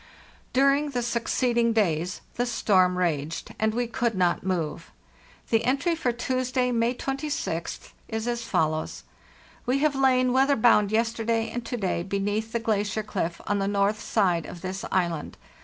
During the succeeding days the storm raged, and we could not move. The entry for Tuesday, May 26th, is as follows: " We have lain weather bound yesterday and to day beneath the glacier cliff on the north side of this island.